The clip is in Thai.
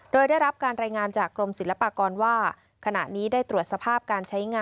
โดยได้รับการรายงานจากกรมศิลปากรว่าขณะนี้ได้ตรวจสภาพการใช้งาน